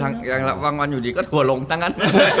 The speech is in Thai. อย่างนั้นแหละบางวันอยู่ดีก็ทัวรงตั้งงั้น